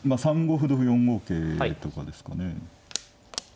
３五歩同歩４五桂とかですかね。